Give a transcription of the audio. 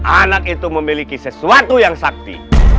anak itu memiliki sesuatu yang sakti